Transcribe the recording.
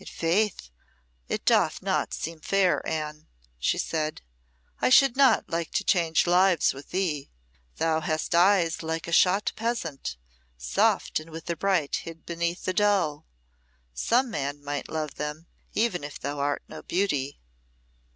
"I' faith, it doth not seem fair, Anne," she said. "I should not like to change lives with thee. Thou hast eyes like a shot pheasant soft, and with the bright hid beneath the dull. Some man might love them, even if thou art no beauty.